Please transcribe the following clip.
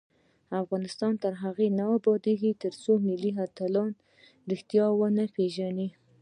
افغانستان تر هغو نه ابادیږي، ترڅو ملي اتلان په ریښتیا ونه پیژنو.